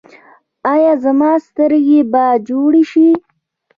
ایا زما سترګې به جوړې شي؟